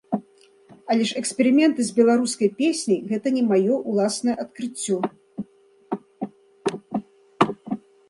Але ж эксперыменты з беларускай песняй гэта не маё ўласнае адкрыццё.